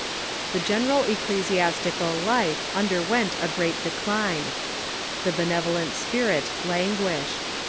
The general ecclesiastical life underwent a great decline. The benevolent spirit languished.